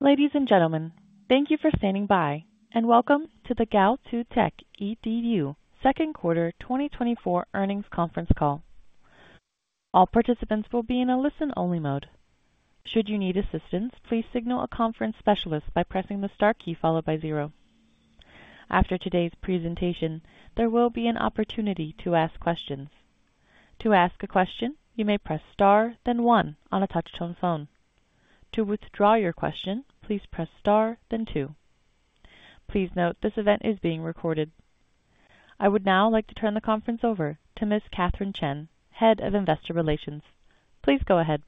Ladies and gentlemen, thank you for standing by, and welcome to the Gaotu Techedu second quarter twenty twenty-four earnings conference call. All participants will be in a listen-only mode. Should you need assistance, please signal a conference specialist by pressing the star key followed by zero. After today's presentation, there will be an opportunity to ask questions. To ask a question, you may press Star, then One on a touch-tone phone. To withdraw your question, please press Star then Two. Please note, this event is being recorded. I would now like to turn the conference over to Ms. Catherine Chen, Head of Investor Relations. Please go ahead.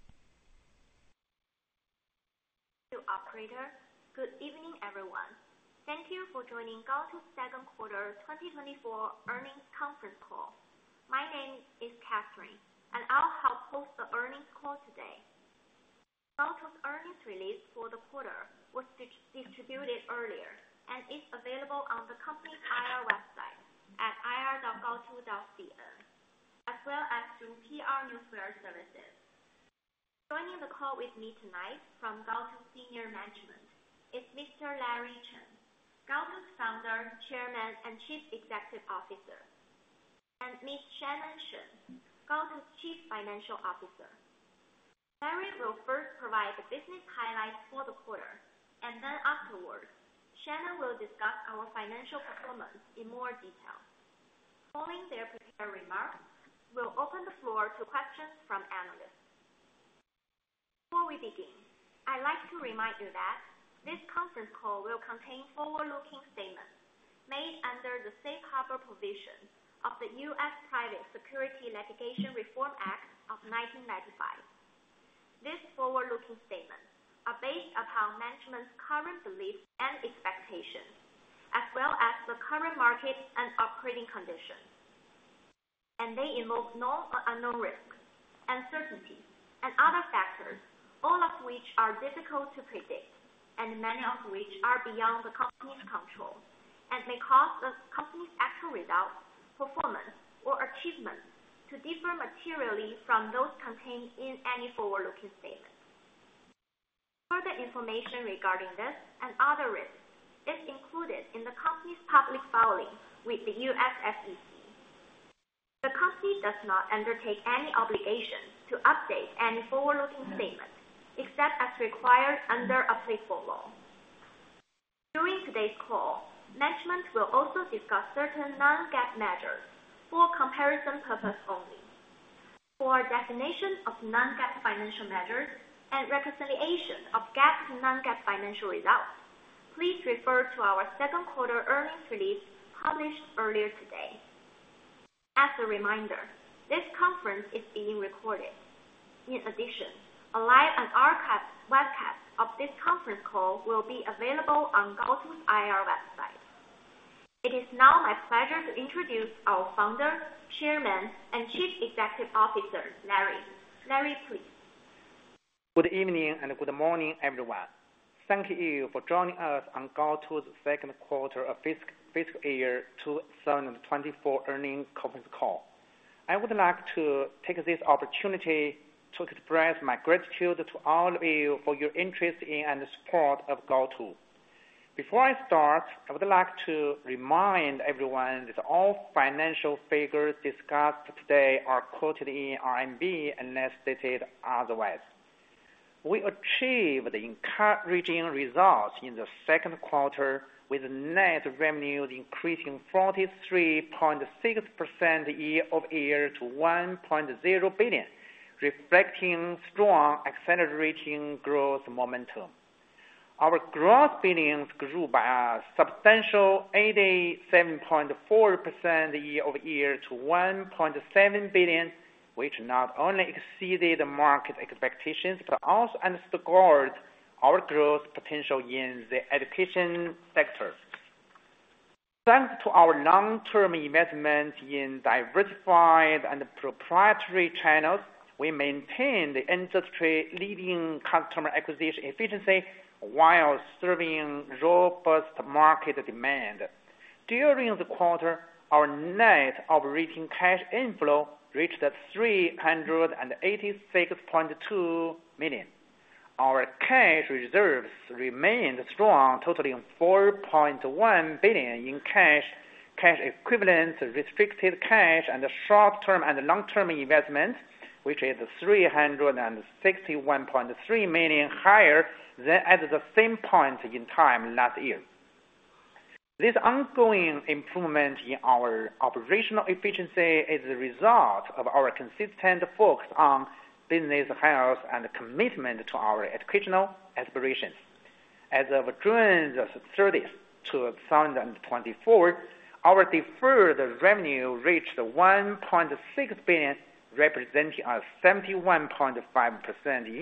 Operator. Good evening, everyone. Thank you for joining Gaotu's second quarter twenty twenty-four earnings conference call. My name is Catherine, and I'll help host the earnings call today. Gaotu's earnings release for the quarter was distributed earlier and is available on the company's IR website at ir.gaotu.cn, as well as through PR Newswire services. Joining the call with me tonight from Gaotu's Senior Management is Mr. Larry Chen, Gaotu's Founder, Chairman, and Chief Executive Officer, and Ms. Shannon Shen, Gaotu's Chief Financial Officer. Larry will first provide the business highlights for the quarter, and then afterwards, Shannon will discuss our financial performance in more detail. Following their prepared remarks, we'll open the floor to questions from analysts. Before we begin, I'd like to remind you that this conference call will contain forward-looking statements made under the safe harbor provisions of the U.S. Private Securities Litigation Reform Act of 1995. These forward-looking statements are based upon management's current beliefs and expectations, as well as the current market and operating conditions, and they involve known or unknown risks, uncertainty, and other factors, all of which are difficult to predict, and many of which are beyond the company's control, and may cause the company's actual results, performance, or achievements to differ materially from those contained in any forward-looking statements. Further information regarding this and other risks is included in the company's public filing with the U.S. SEC. The company does not undertake any obligation to update any forward-looking statement, except as required under applicable law. During today's call, management will also discuss certain non-GAAP measures for comparison purposes only. For a definition of non-GAAP financial measures and reconciliation of GAAP to non-GAAP financial results, please refer to our second quarter earnings release published earlier today. As a reminder, this conference is being recorded. In addition, a live and archived webcast of this conference call will be available on Gaotu's IR website. It is now my pleasure to introduce our Founder, Chairman, and Chief Executive Officer, Larry. Larry, please. Good evening, and good morning, everyone. Thank you for joining us on Gaotu's second quarter of fiscal year 2024 earnings conference call. I would like to take this opportunity to express my gratitude to all of you for your interest in and support of Gaotu. Before I start, I would like to remind everyone that all financial figures discussed today are quoted in RMB, unless stated otherwise. We achieved encouraging results in the second quarter, with net revenues increasing 43.6% year-over-year to 1.0 billion, reflecting strong accelerating growth momentum. Our gross billings grew by a substantial 87.4% year-over-year to 1.7 billion, which not only exceeded the market expectations, but also underscored our growth potential in the education sector. Thanks to our long-term investment in diversified and proprietary channels, we maintained the industry-leading customer acquisition efficiency while serving robust market demand. During the quarter, our net operating cash inflow reached 386.2 million. Our cash reserves remained strong, totaling 4.1 billion in cash, cash equivalents, restricted cash, and short-term and long-term investments, which is 361.3 million higher than at the same point in time last year. This ongoing improvement in our operational efficiency is a result of our consistent focus on business health and commitment to our educational aspirations. As of June 30, 2024, our deferred revenue reached 1.6 billion, representing a 71.5%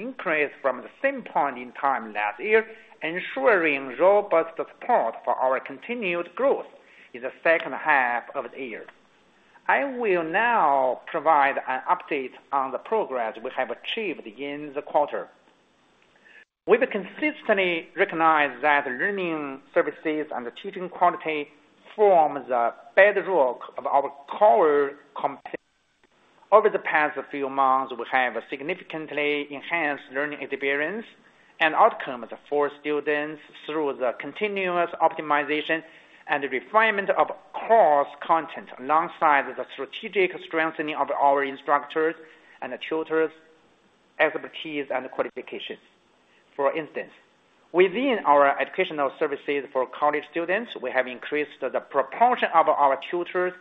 increase from the same point in time last year, ensuring robust support for our continued growth in the second half of the year. I will now provide an update on the progress we have achieved in the quarter. We've consistently recognized that learning services and teaching quality form the bedrock of our core competencies. Over the past few months, we have significantly enhanced learning experience and outcomes for students through the continuous optimization and refinement of course content, alongside the strategic strengthening of our instructors' and tutors' expertise and qualifications. For instance, within our educational services for college students, we have increased the proportion of our tutors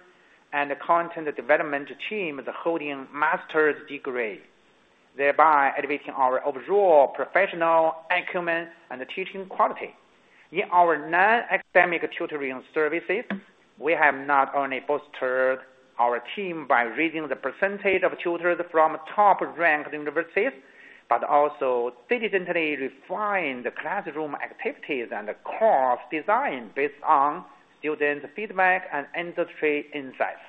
and the content development team holding master's degree, thereby elevating our overall professional acumen and teaching quality. In our non-academic tutoring services, we have not only bolstered our team by raising the percentage of tutors from top-ranked universities, but also diligently refined the classroom activities and the course design based on student feedback and industry insights.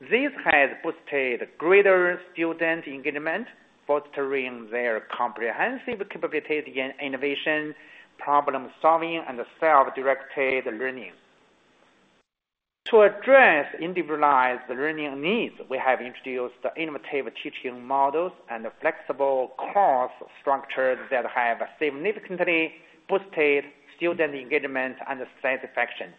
This has boosted greater student engagement, fostering their comprehensive capabilities in innovation, problem-solving, and self-directed learning. To address individualized learning needs, we have introduced innovative teaching models and flexible course structures that have significantly boosted student engagement and satisfaction.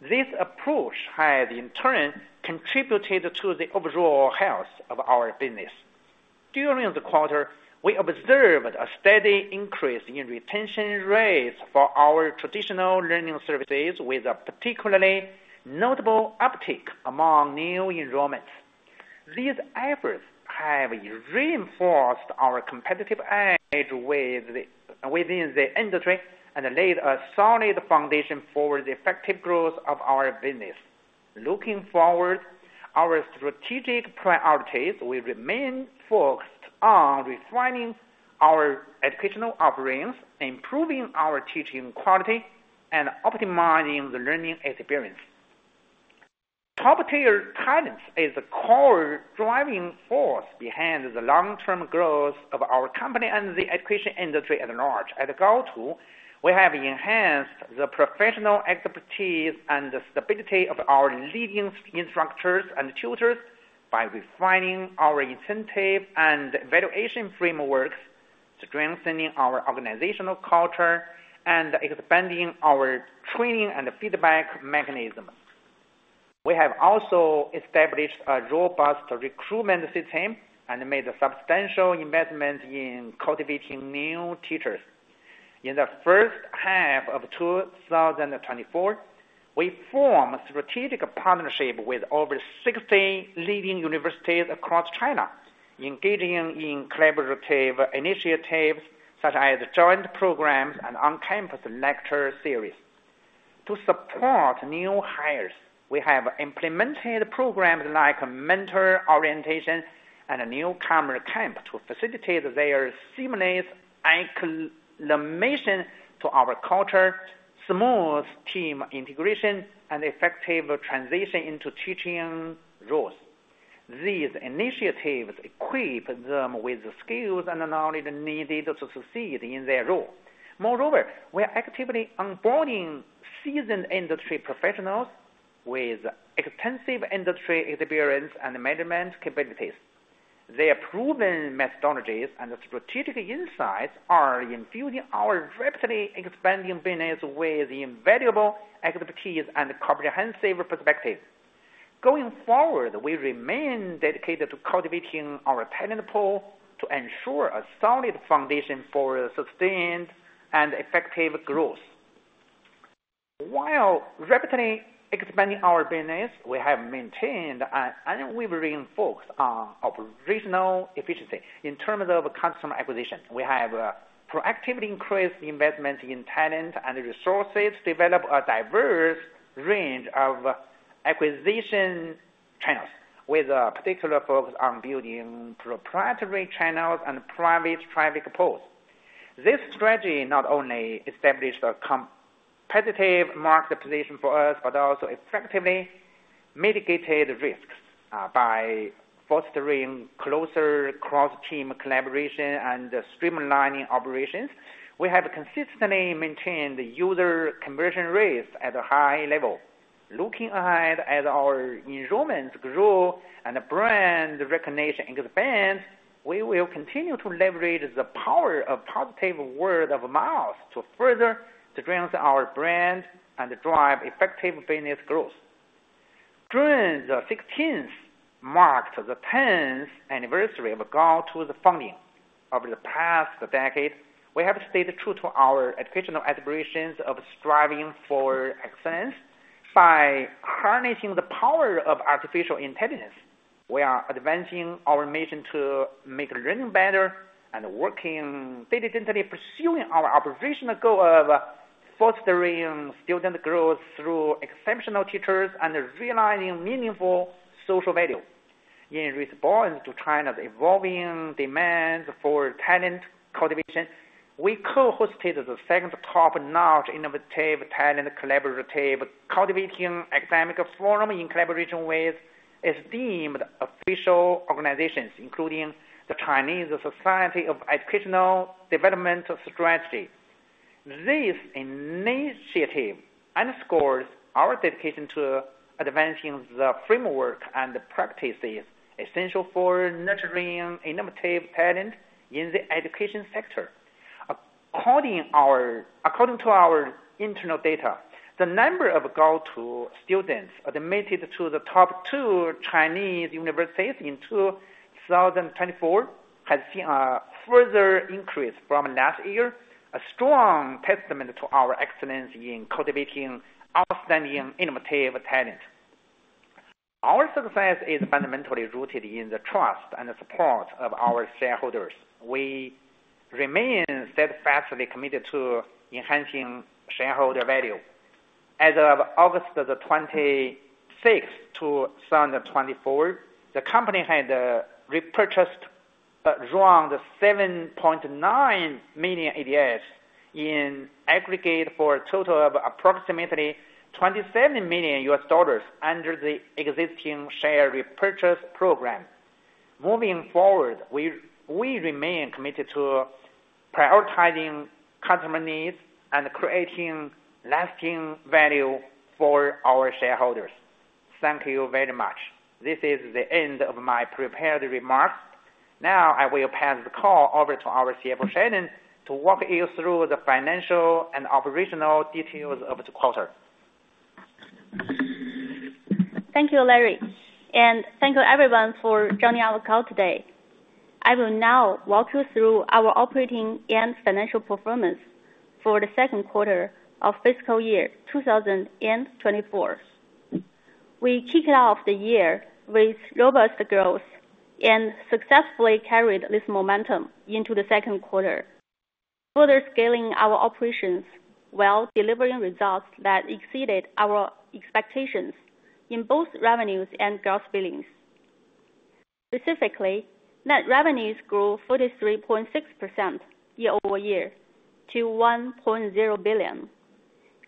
This approach has, in turn, contributed to the overall health of our business. During the quarter, we observed a steady increase in retention rates for our traditional learning services, with a particularly notable uptick among new enrollments. These efforts have reinforced our competitive edge within the industry and laid a solid foundation for the effective growth of our business. Looking forward, our strategic priorities will remain focused on refining our educational offerings, improving our teaching quality, and optimizing the learning experience. Top-tier talent is a core driving force behind the long-term growth of our company and the education industry at large. At Gaotu, we have enhanced the professional expertise and the stability of our leading instructors and tutors by refining our incentive and evaluation frameworks, strengthening our organizational culture, and expanding our training and feedback mechanism. We have also established a robust recruitment system and made substantial investment in cultivating new teachers. In the first half of 2024, we formed strategic partnership with over 60 leading universities across China, engaging in collaborative initiatives such as joint programs and on-campus lecture series. To support new hires, we have implemented programs like mentor orientation and newcomer camp to facilitate their seamless acclimation to our culture, smooth team integration, and effective transition into teaching roles. These initiatives equip them with the skills and knowledge needed to succeed in their role. Moreover, we are actively onboarding seasoned industry professionals with extensive industry experience and management capabilities. Their proven methodologies and strategic insights are infusing our rapidly expanding business with invaluable expertise and comprehensive perspective. Going forward, we remain dedicated to cultivating our talent pool to ensure a solid foundation for sustained and effective growth. While rapidly expanding our business, we have maintained and we've reinforced our operational efficiency. In terms of customer acquisition, we have proactively increased investment in talent and resources, developed a diverse range of acquisition channels, with a particular focus on building proprietary channels and private traffic pools. This strategy not only established a competitive market position for us, but also effectively mitigated risks by fostering closer cross-team collaboration and streamlining operations. We have consistently maintained user conversion rates at a high level. Looking ahead, as our enrollments grow and brand recognition expands, we will continue to leverage the power of positive word of mouth to further strengthen our brand and drive effective business growth. June the sixteenth marked the tenth anniversary of Gaotu's founding. Over the past decade, we have stayed true to our educational aspirations of striving for excellence. By harnessing the power of artificial intelligence, we are advancing our mission to make learning better and working diligently, pursuing our operational goal of fostering student growth through exceptional teachers and realizing meaningful social value. In response to China's evolving demands for talent cultivation, we co-hosted the second Top-Notch Innovative Talent Collaborative Cultivation Academic Forum in collaboration with esteemed official organizations, including the Chinese Society of Educational Development Strategy. This initiative underscores our dedication to advancing the framework and the practices essential for nurturing innovative talent in the education sector. According to our internal data, the number of Gaotu students admitted to the top two Chinese universities in two thousand and twenty-four has seen a further increase from last year, a strong testament to our excellence in cultivating outstanding innovative talent. Our success is fundamentally rooted in the trust and the support of our shareholders. We remain steadfastly committed to enhancing shareholder value. As of August the twenty-sixth, two thousand and twenty-four, the company had repurchased around 7.9 million ADSs in aggregate for a total of approximately $27 million under the existing share repurchase program. Moving forward, we remain committed to prioritizing customer needs and creating lasting value for our shareholders. Thank you very much. This is the end of my prepared remarks. Now, I will pass the call over to our CFO, Shannon, to walk you through the financial and operational details of the quarter. Thank you, Larry, and thank you everyone for joining our call today. I will now walk you through our operating and financial performance for the second quarter of fiscal year 2024. We kicked off the year with robust growth and successfully carried this momentum into the second quarter, further scaling our operations while delivering results that exceeded our expectations in both revenues and gross billings. Specifically, net revenues grew 43.6% year-over-year to 1.0 billion,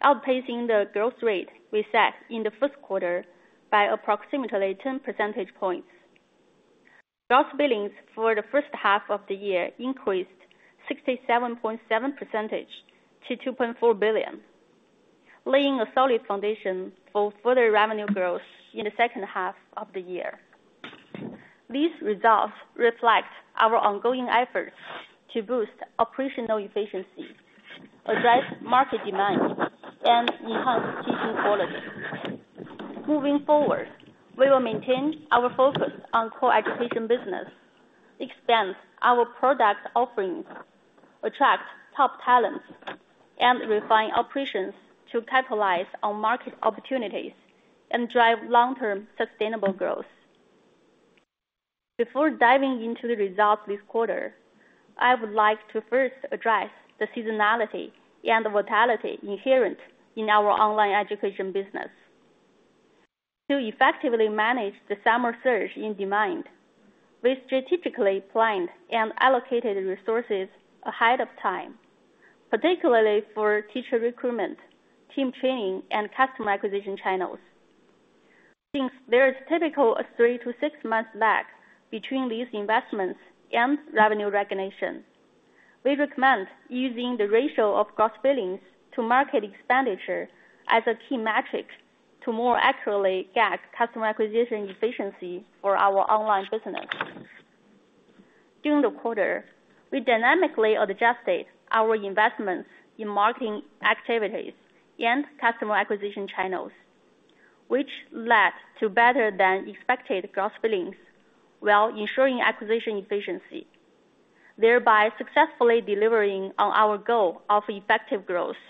outpacing the growth rate we set in the first quarter by approximately 10 percentage points. Gross billings for the first half of the year increased 67.7% to 2.4 billion, laying a solid foundation for further revenue growth in the second half of the year. These results reflect our ongoing efforts to boost operational efficiency, address market demand, and enhance teaching quality. Moving forward, we will maintain our focus on core education business, expand our product offerings, attract top talents, and refine operations to capitalize on market opportunities and drive long-term sustainable growth. Before diving into the results this quarter, I would like to first address the seasonality and volatility inherent in our online education business. To effectively manage the summer surge in demand, we strategically planned and allocated resources ahead of time, particularly for teacher recruitment, team training, and customer acquisition channels. Since there is typically a three to six months lag between these investments and revenue recognition, we recommend using the ratio of gross billings to market expenditure as a key metric to more accurately gauge customer acquisition efficiency for our online business. During the quarter, we dynamically adjusted our investments in marketing activities and customer acquisition channels, which led to better than expected gross billings, while ensuring acquisition efficiency, thereby successfully delivering on our goal of effective growth.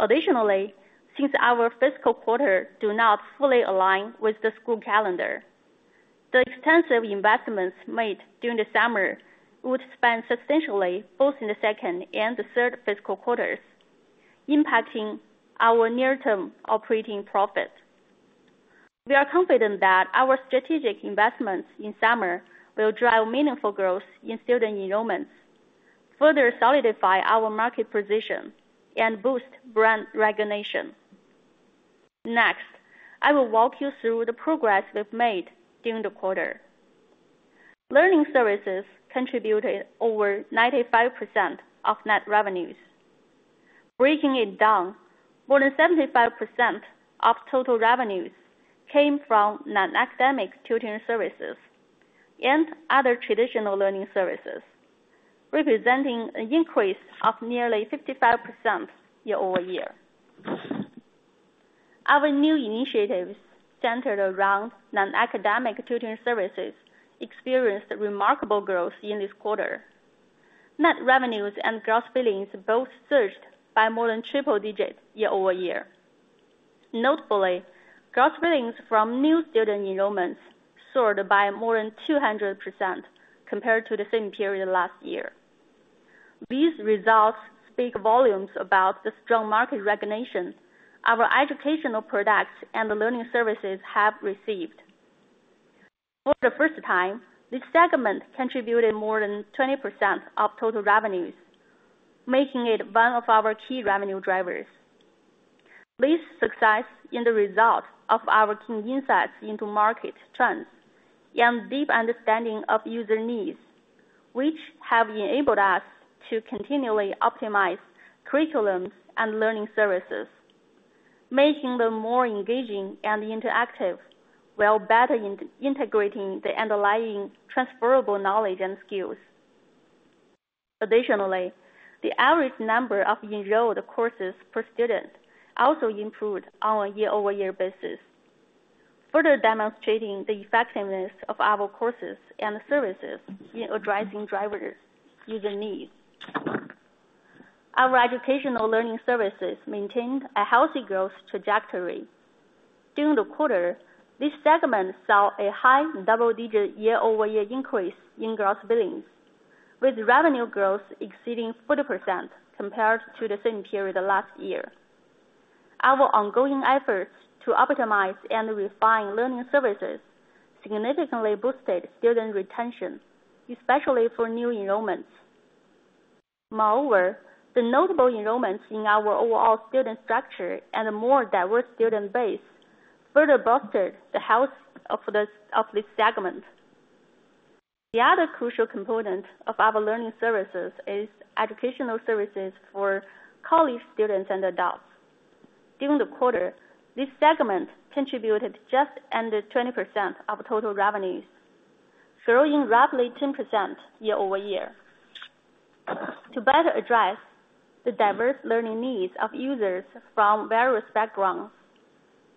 Additionally, since our fiscal quarters do not fully align with the school calendar, the extensive investments made during the summer would spend substantially both in the second and the third fiscal quarters, impacting our near-term operating profit. We are confident that our strategic investments in summer will drive meaningful growth in student enrollments, further solidify our market position, and boost brand recognition. Next, I will walk you through the progress we've made during the quarter. Learning services contributed over 95% of net revenues. Breaking it down, more than 75% of total revenues came from non-academic tutoring services and other traditional learning services, representing an increase of nearly 55% year-over-year. Our new initiatives centered around non-academic tutoring services experienced remarkable growth in this quarter. Net revenues and gross billings both surged by more than triple digits year-over-year. Notably, gross billings from new student enrollments soared by more than 200% compared to the same period last year. These results speak volumes about the strong market recognition our educational products and learning services have received. For the first time, this segment contributed more than 20% of total revenues, making it one of our key revenue drivers.... This success is the result of our keen insights into market trends and deep understanding of user needs, which have enabled us to continually optimize curriculums and learning services, making them more engaging and interactive, while better integrating the underlying transferable knowledge and skills. Additionally, the average number of enrolled courses per student also improved on a year-over-year basis, further demonstrating the effectiveness of our courses and services in addressing driving user needs. Our educational learning services maintained a healthy growth trajectory. During the quarter, this segment saw a high double-digit year-over-year increase in gross billings, with revenue growth exceeding 40% compared to the same period last year. Our ongoing efforts to optimize and refine learning services significantly boosted student retention, especially for new enrollments. Moreover, the notable enrollments in our overall student structure and a more diverse student base further bolstered the health of this segment. The other crucial component of our learning services is educational services for college students and adults. During the quarter, this segment contributed just under 20% of total revenues, growing roughly 10% year-over-year. To better address the diverse learning needs of users from various backgrounds,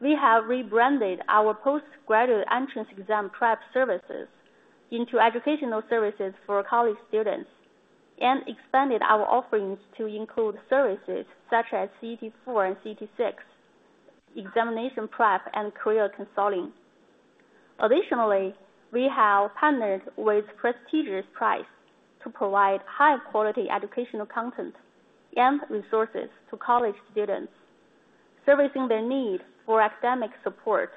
we have rebranded our post-graduate entrance exam prep services into educational services for college students, and expanded our offerings to include services such as CET-4 and CET-6, examination prep, and career consulting. Additionally, we have partnered with prestigious universities to provide high-quality educational content and resources to college students, serving their needs for academic support,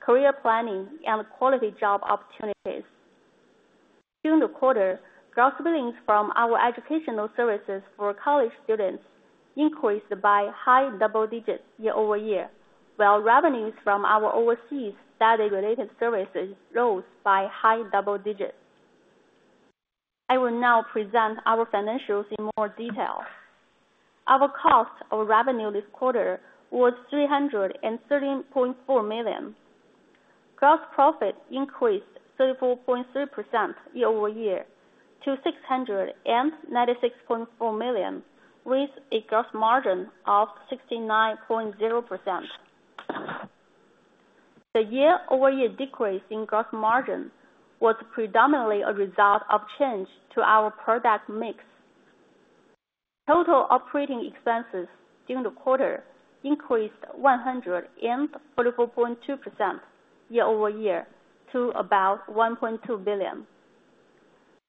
career planning, and quality job opportunities. During the quarter, gross billings from our educational services for college students increased by high double digits year-over-year, while revenues from our overseas study-related services rose by high double digits. I will now present our financials in more detail. Our cost of revenue this quarter was 313.4 million. Gross profit increased 34.3% year-over-year to 696.4 million, with a gross margin of 69.0%. The year-over-year decrease in gross margin was predominantly a result of change to our product mix. Total operating expenses during the quarter increased 134.2% year-over-year to about 1.2 billion.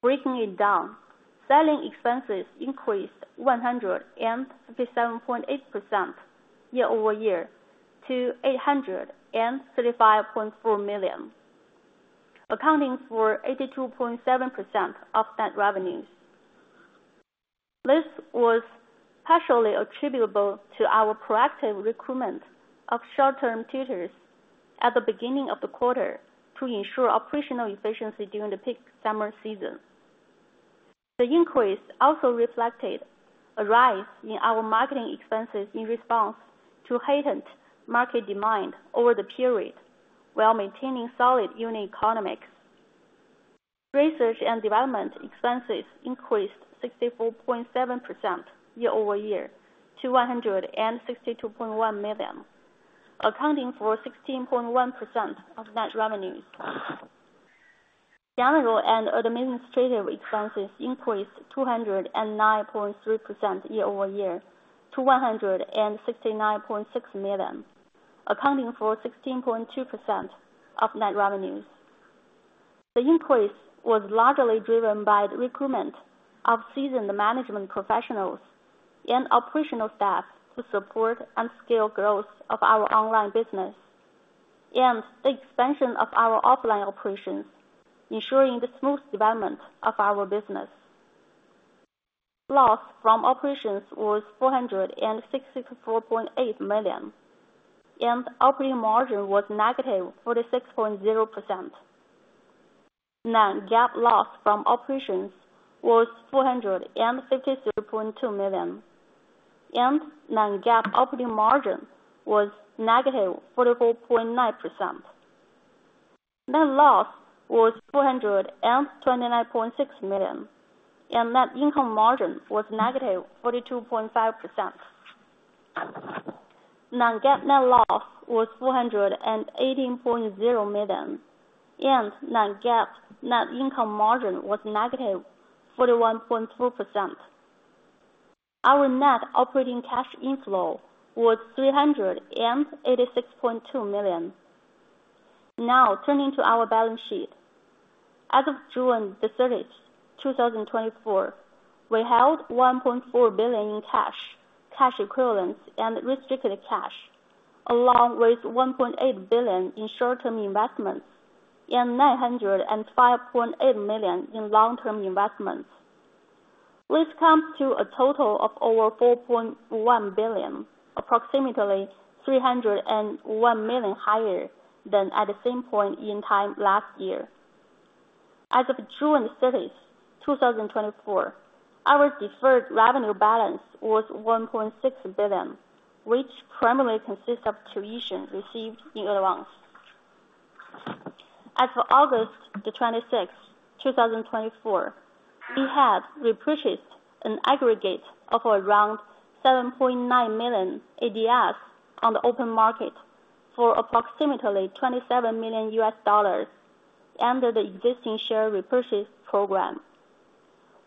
Breaking it down, selling expenses increased 157.8% year-over-year to 835.4 million, accounting for 82.7% of net revenues. This was partially attributable to our proactive recruitment of short-term tutors at the beginning of the quarter to ensure operational efficiency during the peak summer season. The increase also reflected a rise in our marketing expenses in response to heightened market demand over the period, while maintaining solid unit economics. Research and development expenses increased 64.7% year-over-year to 162.1 million, accounting for 16.1% of net revenues. General and administrative expenses increased 209.3% year-over-year to 169.6 million, accounting for 16.2% of net revenues. The increase was largely driven by the recruitment of seasoned management professionals and operational staff to support and scale growth of our online business, and the expansion of our offline operations, ensuring the smooth development of our business. Loss from operations was 464.8 million, and operating margin was -46.0%. Non-GAAP loss from operations was 453.2 million, and non-GAAP operating margin was -44.9%. Net loss was 429.6 million, and net income margin was -42.5%. Non-GAAP net loss was 418.0 million, and non-GAAP net income margin was -41.2%. Our net operating cash inflow was 386.2 million. Now, turning to our balance sheet. As of June the thirtieth, 2024, we held 1.4 billion in cash, cash equivalents, and restricted cash, along with 1.8 billion in short-term investments, and 905.8 million in long-term investments, which comes to a total of over 4.1 billion, approximately 301 million higher than at the same point in time last year. As of June thirtieth, twenty twenty-four, our deferred revenue balance was 1.6 billion, which primarily consists of tuition received in advance. As of August the twenty-sixth, two thousand and twenty-four, we had repurchased an aggregate of around 7.9 million ADSs on the open market for approximately $27 million under the existing share repurchase program.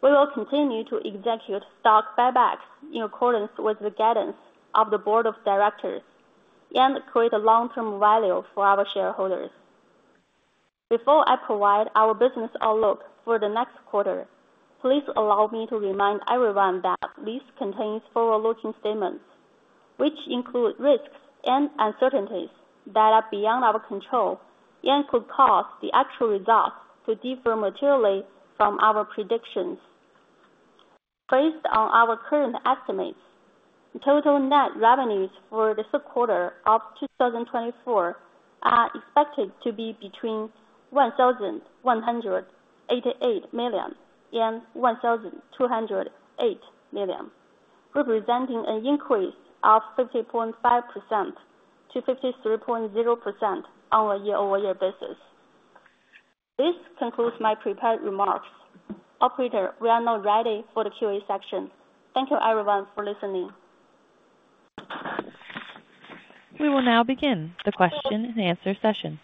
We will continue to execute stock buybacks in accordance with the guidance of the board of directors and create a long-term value for our shareholders. Before I provide our business outlook for the next quarter, please allow me to remind everyone that this contains forward-looking statements, which include risks and uncertainties that are beyond our control and could cause the actual results to differ materially from our predictions. Based on our current estimates, total net revenues for the third quarter of 2024 are expected to be between 1,188 million and 1,208 million, representing an increase of 50.5% to 53.0% on a year-over-year basis. This concludes my prepared remarks. Operator, we are now ready for the Q&A section. Thank you everyone for listening. We will now begin the question and answer session.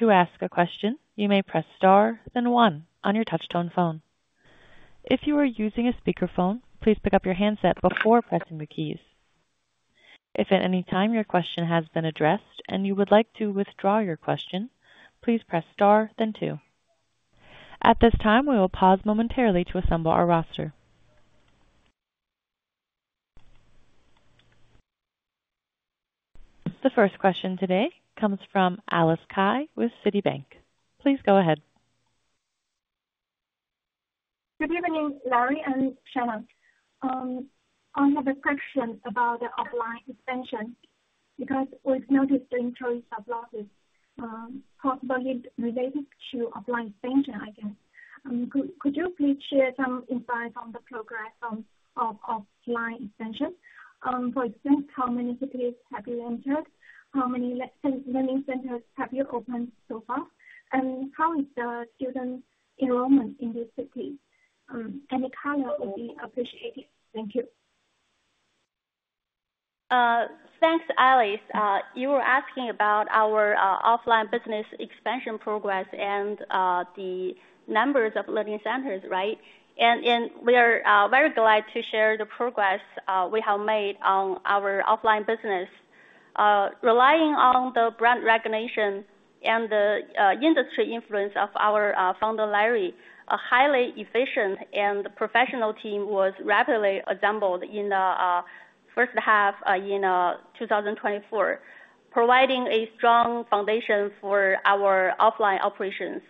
To ask a question, you may press star, then one on your touchtone phone. If you are using a speakerphone, please pick up your handset before pressing the keys. If at any time your question has been addressed and you would like to withdraw your question, please press star then two. At this time, we will pause momentarily to assemble our roster. The first question today comes from Alice Cai with Citibank. Please go ahead. Good evening, Larry and Shannon. On the description about the offline expansion, because we've noticed the incremental losses, probably related to offline expansion, I guess. Could you please share some insights on the progress of offline expansion? For instance, how many cities have you entered? How many learning centers have you opened so far? And how is the student enrollment in these cities? Any color will be appreciated. Thank you. Thanks, Alice. You were asking about our offline business expansion progress and the numbers of learning centers, right? And we are very glad to share the progress we have made on our offline business. Relying on the brand recognition and the industry influence of our founder, Larry, a highly efficient and professional team was rapidly assembled in the first half in two thousand and twenty-four, providing a strong foundation for our offline operations.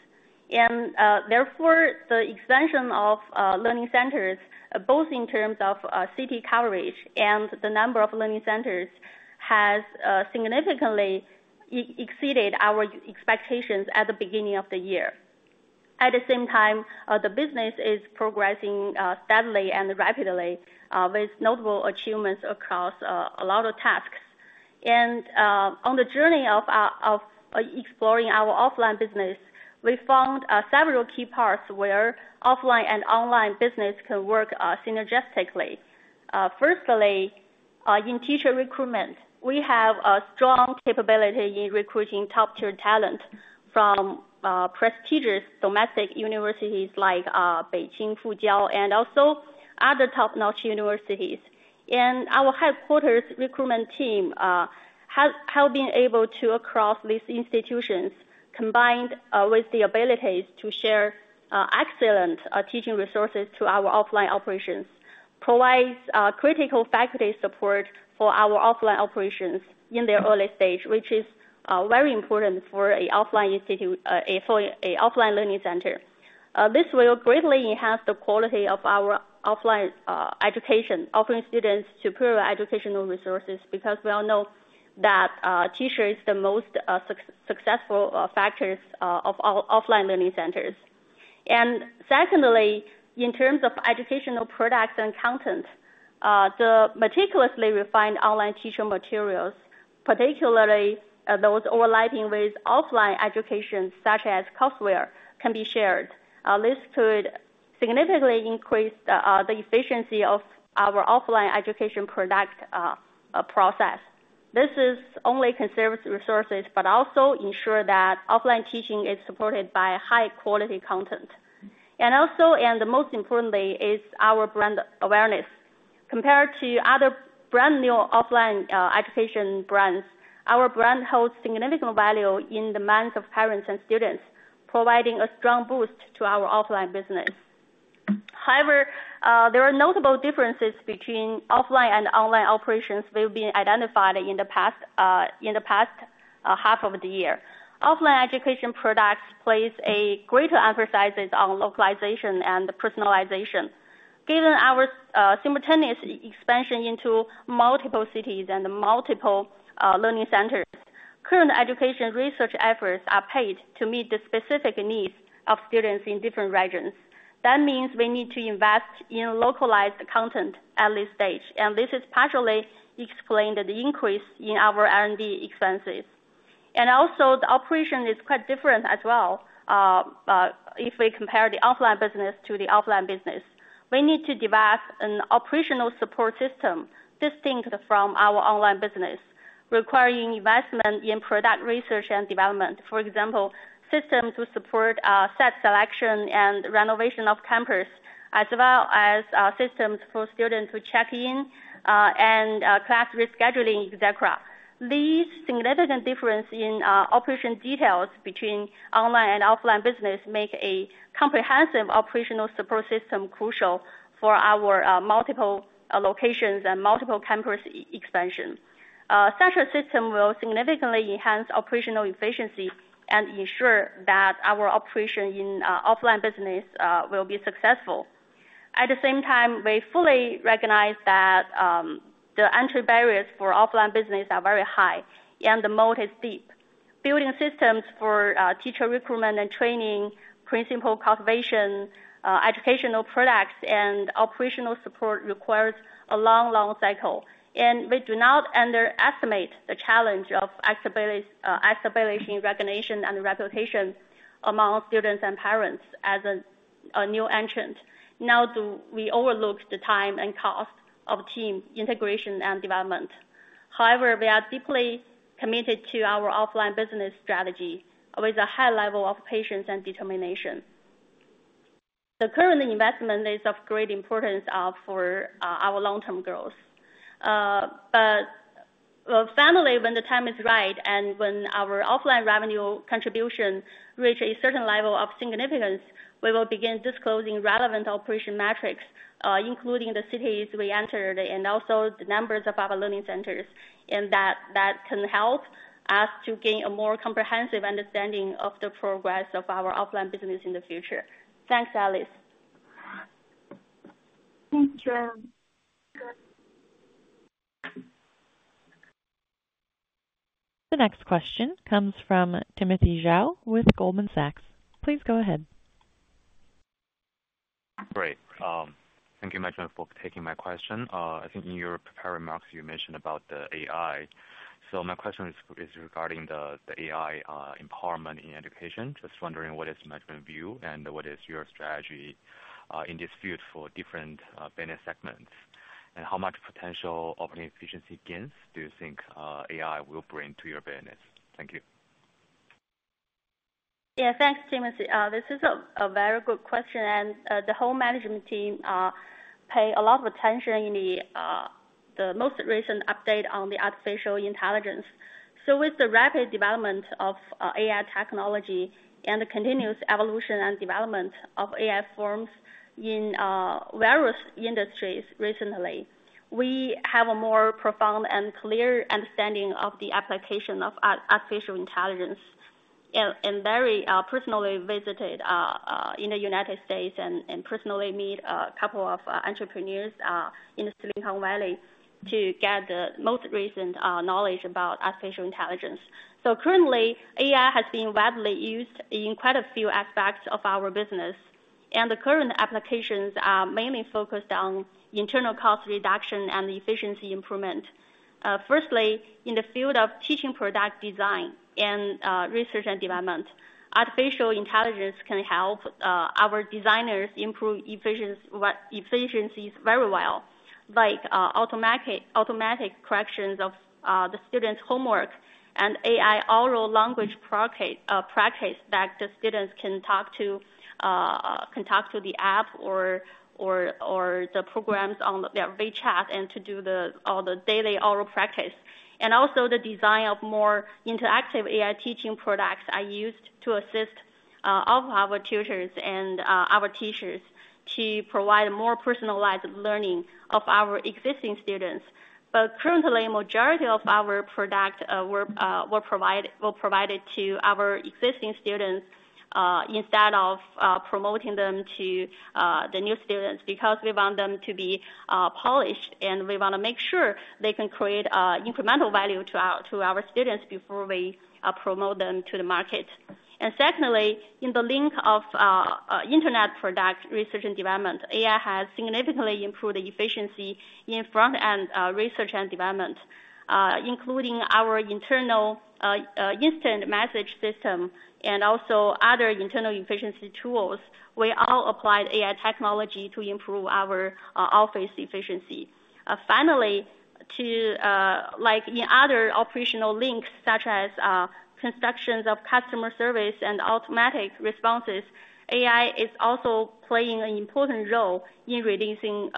And therefore, the expansion of learning centers, both in terms of city coverage and the number of learning centers, has significantly exceeded our expectations at the beginning of the year. At the same time, the business is progressing steadily and rapidly with notable achievements across a lot of tasks. On the journey of exploring our offline business, we found several key parts where offline and online business can work synergistically. Firstly, in teacher recruitment, we have a strong capability in recruiting top-tier talent from prestigious domestic universities like Beijing, Fudan, and also other top-notch universities. Our headquarters recruitment team have been able to access these institutions, combined with the abilities to share excellent teaching resources to our offline operations, provides critical faculty support for our offline operations in their early stage, which is very important for an offline institute, for an offline learning center. This will greatly enhance the quality of our offline education, offering students superior educational resources, because we all know that teacher is the most successful factors of our offline learning centers. Secondly, in terms of educational products and content, the meticulously refined online teacher materials, particularly those overlapping with offline education, such as courseware, can be shared. This could significantly increase the efficiency of our offline education product process. This not only conserves resources, but also ensures that offline teaching is supported by high-quality content. Also, the most importantly, is our brand awareness. Compared to other brand new offline education brands, our brand holds significant value in the minds of parents and students, providing a strong boost to our offline business. However, there are notable differences between offline and online operations that have been identified in the past half of the year. Offline education products place a greater emphasis on localization and personalization. Given our simultaneous expansion into multiple cities and multiple learning centers, current education research efforts are paid to meet the specific needs of students in different regions. That means we need to invest in localized content at this stage, and this is partially explained the increase in our R&D expenses. And also, the operation is quite different as well. If we compare the offline business to the online business, we need to develop an operational support system, distinct from our online business, requiring investment in product research and development. For example, systems to support site selection and renovation of campus, as well as systems for students to check in and class rescheduling, et cetera. These significant difference in operation details between online and offline business make a comprehensive operational support system crucial for our multiple locations and multiple campus expansion. Such a system will significantly enhance operational efficiency and ensure that our operation in offline business will be successful. At the same time, we fully recognize that the entry barriers for offline business are very high, and the moat is deep. Building systems for teacher recruitment and training, principal cultivation educational products, and operational support requires a long, long cycle. And we do not underestimate the challenge of establishing recognition and reputation among students and parents as a new entrant. Nor do we overlook the time and cost of team integration and development. However, we are deeply committed to our offline business strategy with a high level of patience and determination. The current investment is of great importance for our long-term growth. But well, finally, when the time is right, and when our offline revenue contribution reach a certain level of significance, we will begin disclosing relevant operation metrics, including the cities we entered and also the numbers of our learning centers, and that can help us to gain a more comprehensive understanding of the progress of our offline business in the future. Thanks, Alice. Thank you. The next question comes from Timothy Zhao with Goldman Sachs. Please go ahead. Great. Thank you, management, for taking my question. I think in your prepared remarks, you mentioned about the AI. So my question is regarding the AI empowerment in education. Just wondering, what is management's view, and what is your strategy in this field for different business segments? And how much potential operating efficiency gains do you think AI will bring to your business? Thank you. Yeah, thanks, Timothy. This is a very good question, and the whole management team pay a lot of attention in the most recent update on the artificial intelligence. So with the rapid development of AI technology and the continuous evolution and development of AI forms in various industries recently, we have a more profound and clear understanding of the application of artificial intelligence. And very personally visited in the United States, and personally meet a couple of entrepreneurs in Silicon Valley, to get the most recent knowledge about artificial intelligence. So currently, AI has been widely used in quite a few aspects of our business, and the current applications are mainly focused on internal cost reduction and efficiency improvement. Firstly, in the field of teaching product design and research and development, artificial intelligence can help our designers improve efficiencies very well, like automatic corrections of the students' homework and AI oral language practice that the students can talk to the app or the programs on their WeChat and to do all the daily oral practice. And also the design of more interactive AI teaching products are used to assist all of our tutors and our teachers to provide a more personalized learning of our existing students. But currently, majority of our product were provided to our existing students, instead of promoting them to the new students, because we want them to be polished, and we wanna make sure they can create incremental value to our students before we promote them to the market. And secondly, in the link of internet product research and development, AI has significantly improved the efficiency in front-end research and development, including our internal instant message system and also other internal efficiency tools. We all applied AI technology to improve our office efficiency. Finally, to like in other operational links, such as constructions of customer service and automatic responses, AI is also playing an important role in reducing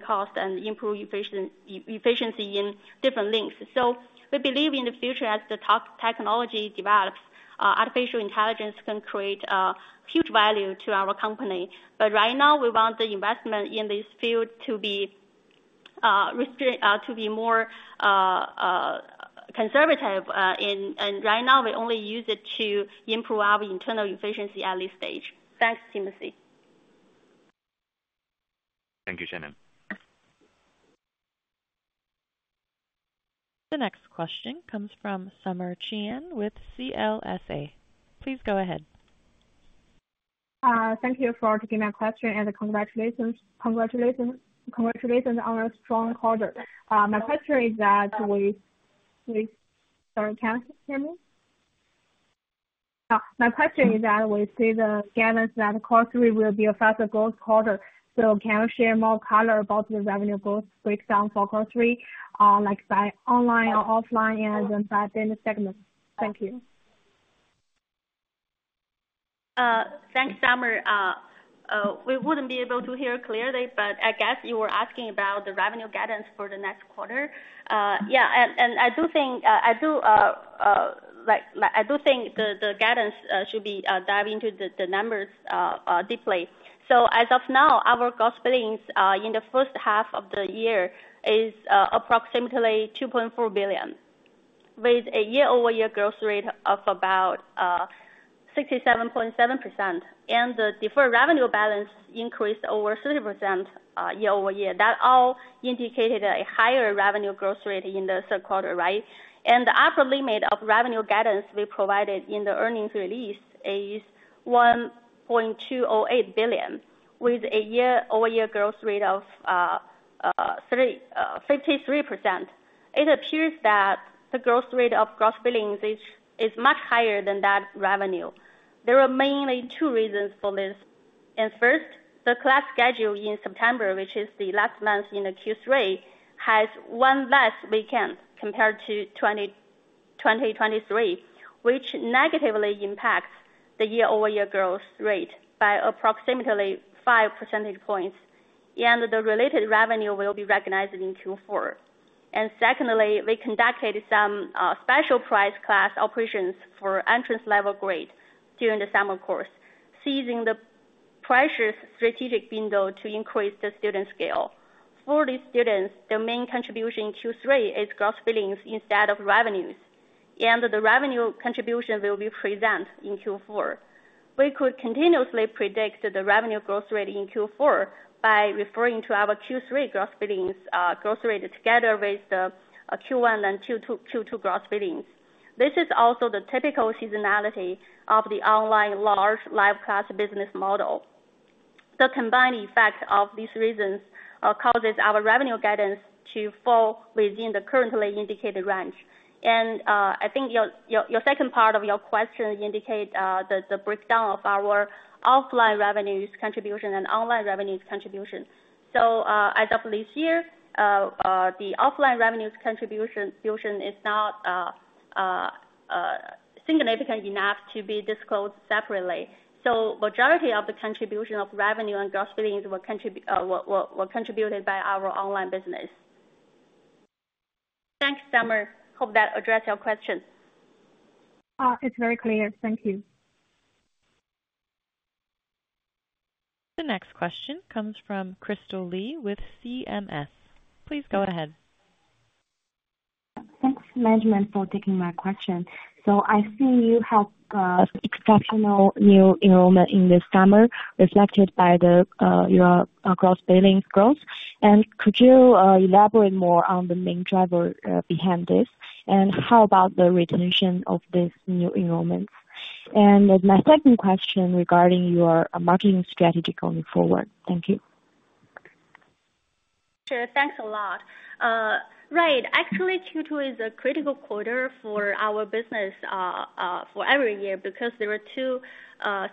cost and improving efficiency in different links. So we believe in the future, as the technology develops, artificial intelligence can create huge value to our company. But right now, we want the investment in this field to be more conservative, and right now, we only use it to improve our internal efficiency at this stage. Thanks, Timothy. Thank you, Shannon. The next question comes from Summer Qian with CLSA. Please go ahead. Thank you for taking my question, and congratulations, congratulations, congratulations on a strong quarter. My question is that we see the guidance that quarter three will be a faster growth quarter. So can you share more color about the revenue growth breakdown for quarter three, like by online or offline and then by then the segment? Thank you. Thanks, Summer. We wouldn't be able to hear clearly, but I guess you were asking about the revenue guidance for the next quarter. Yeah, and I do think, like, I do think the guidance should be dive into the numbers deeply. So as of now, our gross billings in the first half of the year is approximately 2.4 billion, with a year-over-year growth rate of about 67.7%. And the deferred revenue balance increased over 30%, year-over-year. That all indicated a higher revenue growth rate in the third quarter, right? And the upper limit of revenue guidance we provided in the earnings release is 1.208 billion, with a year-over-year growth rate of 53.0%. It appears that the growth rate of gross billings is much higher than that revenue. There are mainly two reasons for this. First, the class schedule in September, which is the last month in the Q3, has one less weekend compared to 2023, which negatively impacts the year-over-year growth rate by approximately five percentage points, and the related revenue will be recognized in Q4. Second, we conducted some special price class operations for entrance-level grade during the summer course, seizing the precious strategic window to increase the student scale. For these students, their main contribution in Q3 is gross billings instead of revenues, and the revenue contribution will be present in Q4. We could continuously predict the revenue growth rate in Q4 by referring to our Q3 gross billings growth rate together with the Q1 and Q2 gross billings. This is also the typical seasonality of the online large live class business model. The combined effect of these reasons causes our revenue guidance to fall within the currently indicated range. And, I think your second part of your question indicate the breakdown of our offline revenues contribution and online revenues contribution. So, as of this year, the offline revenues contribution solution is not significant enough to be disclosed separately. So majority of the contribution of revenue and gross billings were contributed by our online business. Thanks, Summer. Hope that addressed your question. It's very clear. Thank you. The next question comes from Crystal Li with CMS. Please go ahead. Thanks, management, for taking my question. So I see you have exceptional new enrollment in this summer, reflected by your gross billings growth. And could you elaborate more on the main driver behind this? And how about the retention of these new enrollments? And my second question regarding your marketing strategy going forward. Thank you. Sure. Thanks a lot. Right. Actually, Q2 is a critical quarter for our business, for every year, because there are two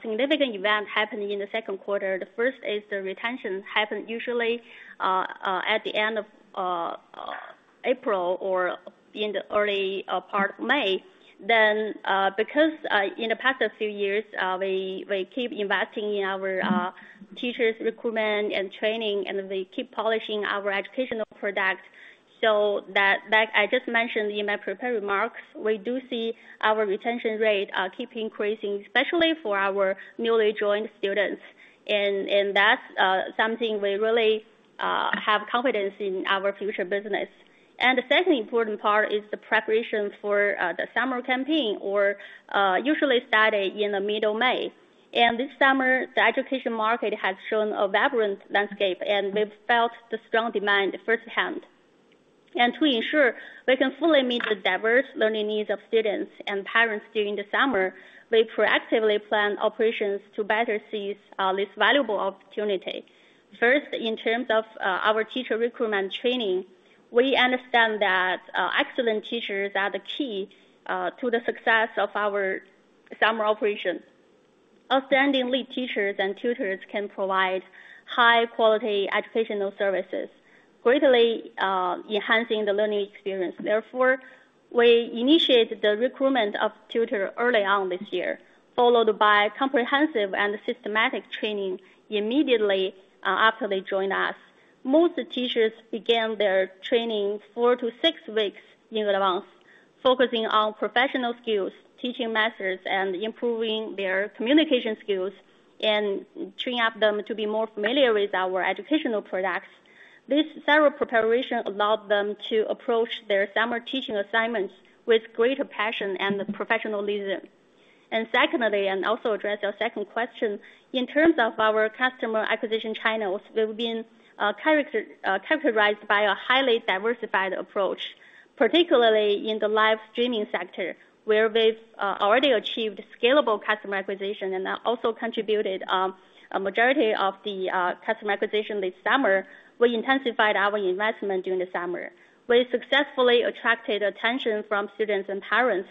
significant events happening in the second quarter. The first is the retention happen usually at the end of April or in the early part of May. Then, because in the past few years, we keep investing in our teachers' recruitment and training, and we keep polishing our educational product. So that, like I just mentioned in my prepared remarks, we do see our retention rate keep increasing, especially for our newly joined students, and that's something we really have confidence in our future business, and the second important part is the preparation for the summer campaign, or usually started in the middle of May. And this summer, the education market has shown a vibrant landscape, and we've felt the strong demand firsthand. To ensure we can fully meet the diverse learning needs of students and parents during the summer, we proactively plan operations to better seize this valuable opportunity. First, in terms of our teacher recruitment training, we understand that excellent teachers are the key to the success of our summer operation. Outstanding lead teachers and tutors can provide high-quality educational services, greatly enhancing the learning experience. Therefore, we initiated the recruitment of tutor early on this year, followed by comprehensive and systematic training immediately after they joined us. Most teachers began their training four to six weeks in advance, focusing on professional skills, teaching methods, and improving their communication skills, and training up them to be more familiar with our educational products. This thorough preparation allowed them to approach their summer teaching assignments with greater passion and professionalism, and secondly, and also address your second question, in terms of our customer acquisition channels, we've been characterized by a highly diversified approach, particularly in the live streaming sector, where we've already achieved scalable customer acquisition and also contributed a majority of the customer acquisition this summer. We intensified our investment during the summer. We successfully attracted attention from students and parents.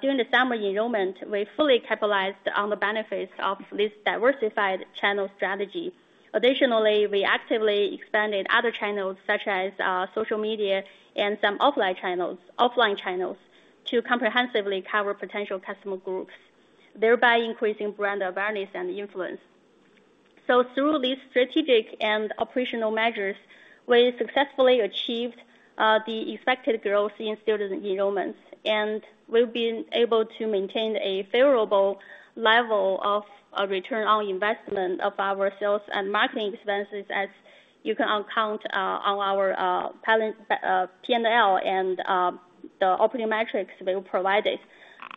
During the summer enrollment, we fully capitalized on the benefits of this diversified channel strategy. Additionally, we actively expanded other channels such as social media and some offline channels to comprehensively cover potential customer groups, thereby increasing brand awareness and influence. So through these strategic and operational measures, we successfully achieved the expected growth in student enrollments, and we've been able to maintain a favorable level of return on investment of our sales and marketing expenses, as you can count on our P&L and the operating metrics we provided.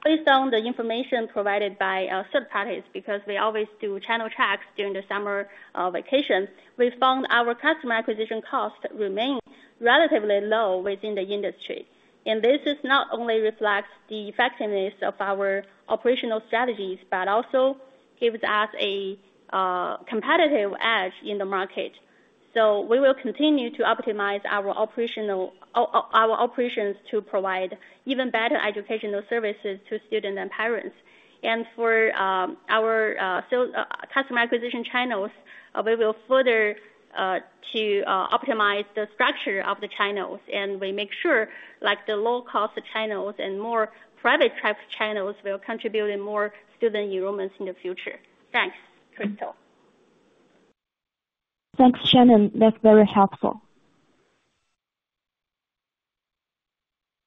Based on the information provided by our third parties, because we always do channel checks during the summer vacation, we found our customer acquisition costs remain relatively low within the industry. And this is not only reflects the effectiveness of our operational strategies, but also gives us a competitive edge in the market. So we will continue to optimize our operational our operations to provide even better educational services to students and parents. And for our customer acquisition channels, we will further optimize the structure of the channels, and we make sure, like, the low-cost channels and more private traffic channels will contribute in more student enrollments in the future. Thanks, Crystal. Thanks, Shannon. That's very helpful.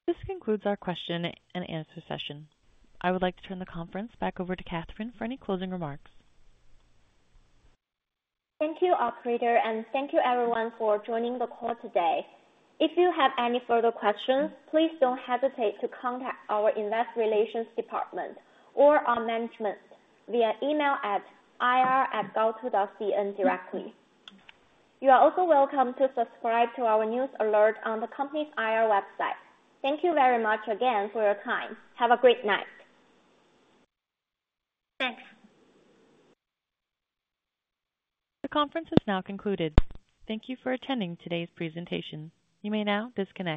This concludes our question and answer session. I would like to turn the conference back over to Catherine for any closing remarks. Thank you, operator, and thank you everyone for joining the call today. If you have any further questions, please don't hesitate to contact our Investor Relations department or our management via email at ir@gaotu.cn directly. You are also welcome to subscribe to our news alert on the company's IR website. Thank you very much again for your time. Have a great night. Thanks. The conference is now concluded. Thank you for attending today's presentation. You may now disconnect.